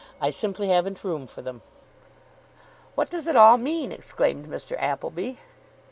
I simply haven't room for them." "What does it all mean?" exclaimed Mr. Appleby.